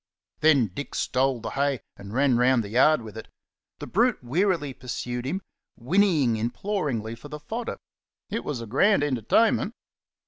Then Dick stole the hay and ran round the yard with it. The brute wearily pursued him, whinnying imploringly for the fodder. It was a grand entertainment.